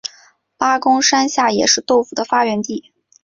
八公山下也是豆腐的发源地。